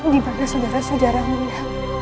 dibaga saudara saudara muda